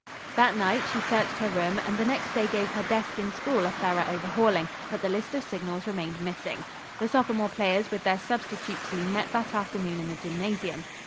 That night she searched her room, and the next day gave her desk in school a thorough overhauling, but the list of signals remained missing. The sophomore players with their substitute team met that afternoon in the gymnasium.